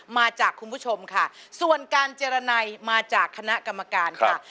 มาจากคุณผู้ชมค่ะส่วนการเจรนัยมาจากคณะกรรมการค่ะ